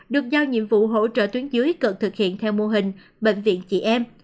được giao nhiệm vụ hỗ trợ tuyến dưới cần thực hiện theo mô hình bệnh viện chị em